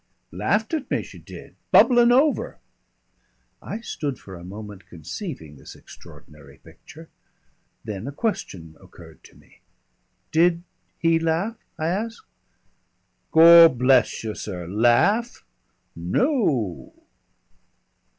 "Laughed at me, she did. Bubblin' over." I stood for a moment conceiving this extraordinary picture. Then a question occurred to me. "Did he laugh?" I asked. "Gord bless you, sir, laugh? _No!